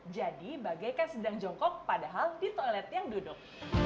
jadi bagaikan sedang jongkok padahal di toilet yang duduk